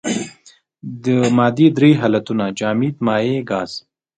د مادې درې حالتونه جامد مايع ګاز.